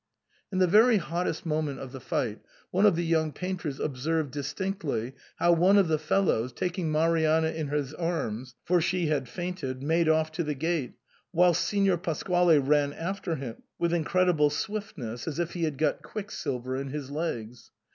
In the very hottest moment of the fight, one of the young painters observed distinctly how one of the fel lows, taking Marianna in his arms (for she had fainted), made off to the gate, whilst Signor Pasquale ran after him^with incredible swiftness, as if he had got quick silver in his legs.